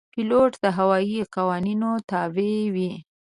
پیلوټ د هوايي قوانینو تابع وي.